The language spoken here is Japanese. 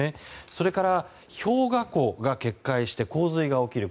それから氷河湖が決壊して洪水が起きる。